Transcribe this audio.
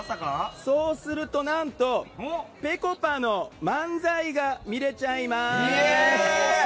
そうするとぺこぱの漫才が見れちゃいます！